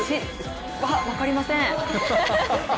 分かりません！